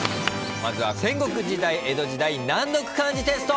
まずは戦国時代江戸時代難読漢字テスト！